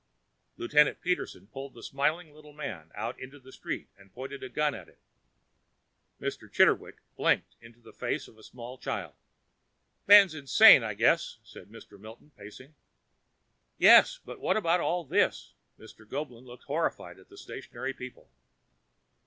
Lieutenant Peterson pulled the smiling little man out into the street and pointed a gun at him. Mr. Chitterwick blinked into the face of a small child. "Man's insane, I guess," said Mr. Milton, pacing. "Yes, but what about all this?" Mr. Goeblin looked horrified at the stationary people.